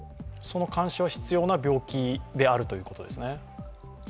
その監視は必要な病気であるということですね。